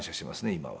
今は。